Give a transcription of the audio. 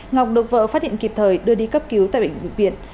ngọc được vợ phát điện kịp thời đưa đi cấp cứu tại bệnh viện